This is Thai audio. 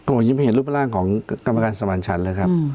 โอ้ยยิ่มเห็นรูปร่างของกรรมการสมรรณชันเลยครับ